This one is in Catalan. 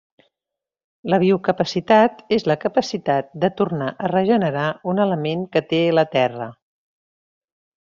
La biocapacitat és la capacitat de tornar a regenerar un element que té la Terra.